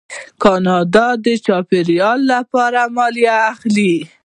کاناډا د چاپیریال لپاره مالیه اخلي.